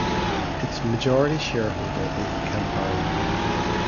Its majority shareholder is the Campari Group.